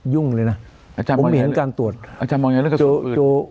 ยุ่งเลยน่ะผมไม่เห็นการตรวจอาจารย์มองอย่างนั้นกระสุนปืน